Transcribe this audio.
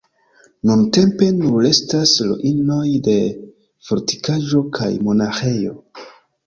Nuntempe nur restas ruinoj de fortikaĵo kaj monaĥejo.